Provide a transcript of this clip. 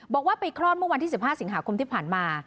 บอกว่าไปคลอดเมื่อวันที่๑๕สิงหาคมที่ผ่านมา